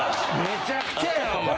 めちゃくちゃやなお前。